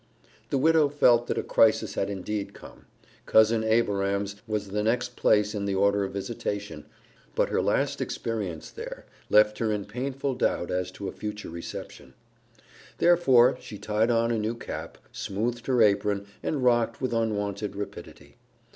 The widow felt that a crisis had indeed come. Cousin Abiram's was the next place in the order of visitation, but her last experience there left her in painful doubt as to a future reception. Therefore she tied on a new cap, smoothed her apron, and rocked with unwonted rapidity.